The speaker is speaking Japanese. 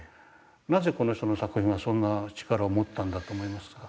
なぜこの人の作品がそんな力を持ったんだと思いますか。